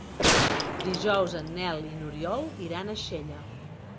Dijous en Nel i n'Oriol iran a Xella.